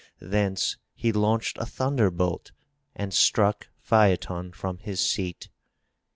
Thence he launched a thunderbolt and struck Phaeton from his seat.